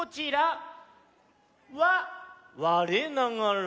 「われながら」。